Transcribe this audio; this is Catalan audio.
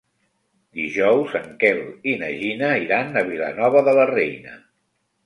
Dijous en Quel i na Gina iran a Vilanova de la Reina.